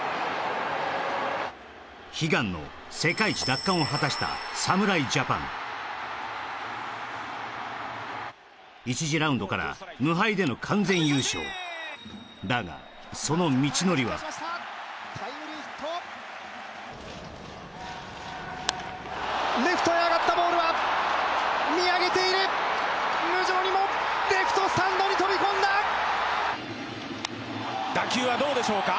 悲願の世界一奪還を果たした侍ジャパン１次ラウンドから無敗での完全優勝だがその道のりはレフトへ上がったボールは見上げている無情にもレフトスタンドに飛び込んだ打球はどうでしょうか？